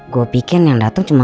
gue pikir yang datang cuma